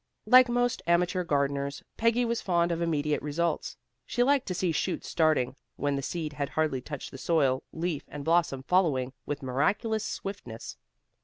Like most amateur gardeners, Peggy was fond of immediate results. She liked to see shoots starting when the seed had hardly touched the soil, leaf and blossom following with miraculous swiftness.